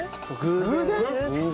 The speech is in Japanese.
偶然？